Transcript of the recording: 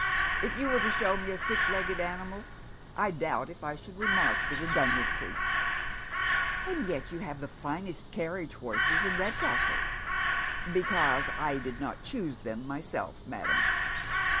If you were to show me a six legged animal I doubt if I should remark the redundancy." " And yet you have the finest carriage horses in Eedcastle." " Because I did not choose them myself, madam."